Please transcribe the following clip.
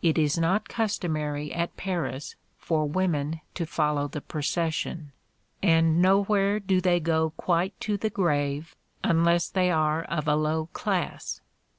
It is not customary at Paris for women to follow the procession; and, nowhere do they go quite to the grave, unless they are of a low class.